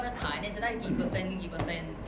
ถ้าขายจะได้กี่เปอร์เซ็นกี่เปอร์เซ็นต์